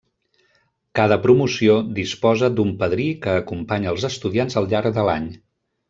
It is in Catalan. Cada promoció disposa d'un padrí que acompanya als estudiants al llarg de l'any.